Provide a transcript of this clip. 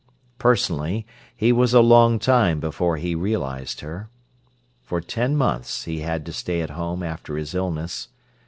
Personally, he was a long time before he realised her. For ten months he had to stay at home after his illness.